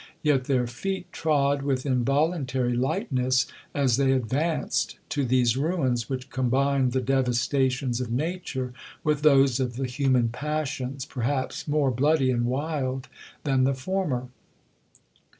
Yet their feet trod with involuntary lightness as they advanced to these ruins, which combined the devastations of nature with those of the human passions, perhaps more bloody and wild than the former.